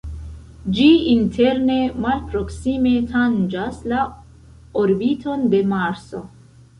Ĝi interne malproksime tanĝas la orbiton de Marso.